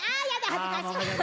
恥ずかしい。